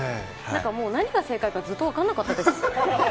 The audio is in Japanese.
何が正解かずっと分からなかったです。